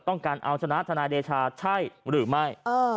ต้องการเอาชนะทนายเดชาใช่หรือไม่